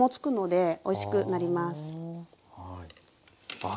ああ